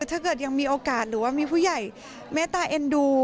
ถ้าเกิดยังมีโอกาสหรือว่ามีผู้ใหญ่เมตตาเอ็นดู